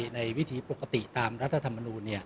ก็ต้องทำอย่างที่บอกว่าช่องคุณวิชากำลังทำอยู่นั่นนะครับ